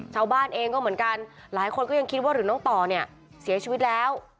ชาวบ้านเองก็เหมือนกันหลายคนก็ยังคิดว่าหรือน้องต่อเนี่ยเสียชีวิตแล้ว